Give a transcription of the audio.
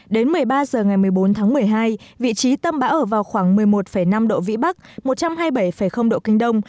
đến một mươi ba h ngày một mươi bốn tháng một mươi hai vị trí tâm bão ở vào khoảng một mươi một năm độ vĩ bắc một trăm hai mươi bảy độ kinh đông